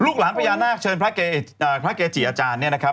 หลานพญานาคเชิญพระเกจิอาจารย์เนี่ยนะครับ